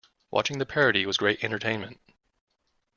Watching the parody was great entertainment.